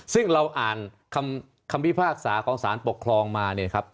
ซึ่งเราอ่านคำพิพากษาของสารปกครองมา